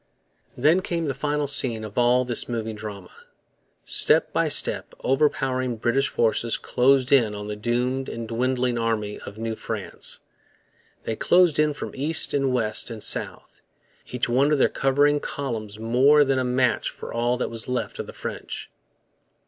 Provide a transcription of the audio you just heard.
Then came the final scene of all this moving drama. Step by step overpowering British forces closed in on the doomed and dwindling army of New France. They closed in from east and west and south, each one of their converging columns more than a match for all that was left of the French.